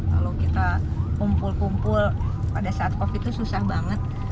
kalau kita kumpul kumpul pada saat covid itu susah banget